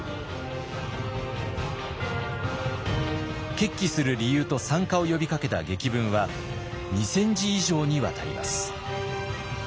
決起する理由と参加を呼びかけた檄文は２，０００字以上にわたります。